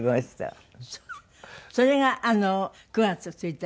それが９月１日？